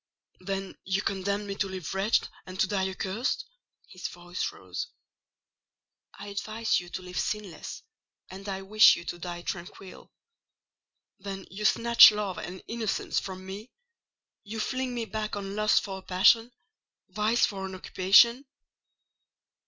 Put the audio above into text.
"Then you condemn me to live wretched and to die accursed?" His voice rose. "I advise you to live sinless, and I wish you to die tranquil." "Then you snatch love and innocence from me? You fling me back on lust for a passion—vice for an occupation?"